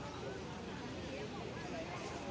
สวัสดีครับทุกคน